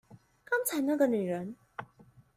剛才那個女人